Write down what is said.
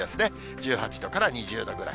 １８度から２０度ぐらい。